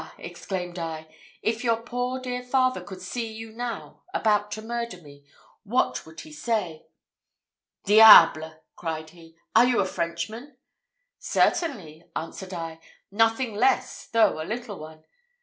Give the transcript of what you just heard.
exclaimed I, 'if your poor dear father could see you now about to murder me, what would he say?' 'Diable!' cried he, 'are you a Frenchman?' 'Certainly,' answered I, 'nothing less, though a little one.'